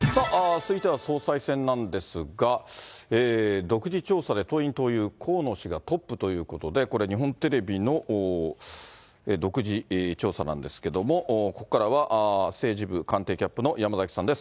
続いては総裁選なんですが、独自調査で、党員・党友、河野氏がトップということで、これ、日本テレビの独自調査なんですけども、ここからは政治部官邸キャップの山崎さんです。